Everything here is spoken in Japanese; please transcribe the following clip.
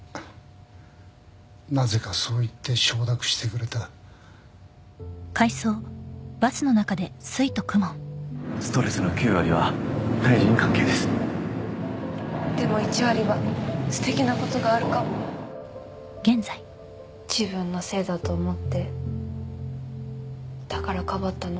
なぜかそう言って承諾してくれたストレスの９割は対人関係ですでも１割はすてきなことがあるかも自分のせいだと思ってだからかばったの？